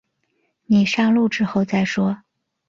你上路之后再说